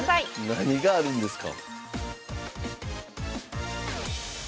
何があるんですか？